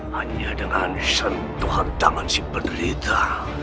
hanya dengan sentuhan tangan si penderita